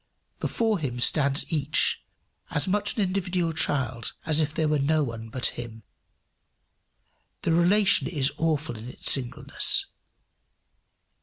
Before him stands each, as much an individual child as if there were no one but him. The relation is awful in its singleness.